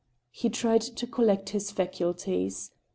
He tried to collect his faculties.